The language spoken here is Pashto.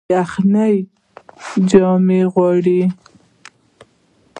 یخني جامې غواړي